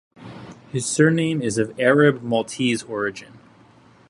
His surname is of Arab Maltese origin.